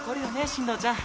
進藤ちゃん。